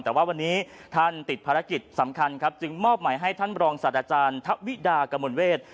แต่ว่าวันนี้ท่านติดภารกิจสำคัญครับจึงมอบหมายให้ท่านบรองสัตว์อาจารย์ทวิดากมลเวท